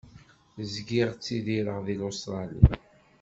Zgiɣ ttidireɣ di Lustṛali.